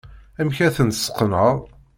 Amek ay ten-tesqenɛeḍ?